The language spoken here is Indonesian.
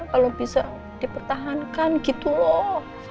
kalau bisa dipertahankan gitu loh